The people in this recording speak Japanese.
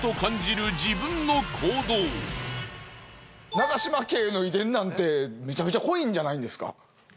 長嶋家の遺伝なんてめちゃめちゃ濃いんじゃないんですか？